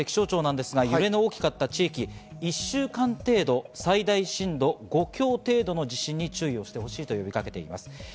気象庁なんですが、揺れの大きかった地域は１週間程度、最大震度５強程度の地震に注意をしてほしいと呼びかけています。